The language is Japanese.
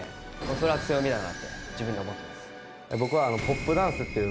それは強みだなって自分で思ってます。